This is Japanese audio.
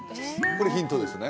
これヒントですね